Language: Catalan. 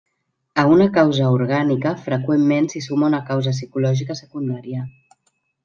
A una causa orgànica freqüentment s'hi suma una causa psicològica secundària.